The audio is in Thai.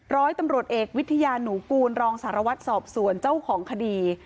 ร้อยตำรวจเอกวิทยาหนูกูลรองสารวัตรสอบสวนเจ้าของคดี